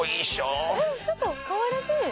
うんちょっとかわいらしい！